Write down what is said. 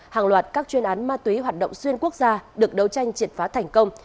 hàng loạt các chuyên án ma túy hoạt động xuyên quốc gia được đấu tranh triệt phá thành công